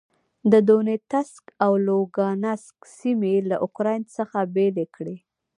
د دونیتسک او لوګانسک سیمې له اوکراین څخه بېلې کړې.